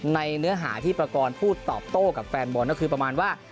เนื้อหาที่ประกอบพูดตอบโต้กับแฟนบอลก็คือประมาณว่า